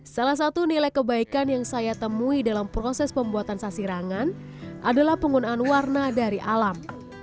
salah satu nilai kebaikan yang saya temui dalam proses pembuatan sasirangan adalah penggunaan warna dari alam